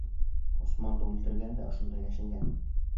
Ғосманды үлтергән дә ошонда йәшенгән!